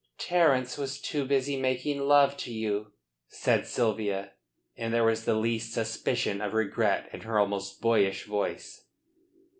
"Terence was too busy making love to you," said Sylvia, and there was the least suspicion of regret in her almost boyish voice.